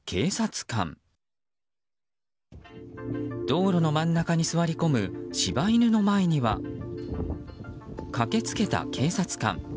道路の真ん中に座り込む柴犬の前には駆けつけた警察官。